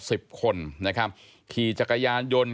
สิบคนนะครับขี่จักรยานยนต์